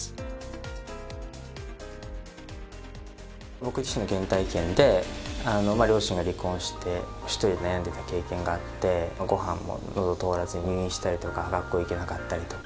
僕自身の原体験で両親が離婚して一人で悩んでいた経験があってご飯ものどを通らずに入院したりとか学校行けなかったりとか。